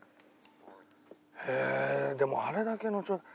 へえでもあれだけの。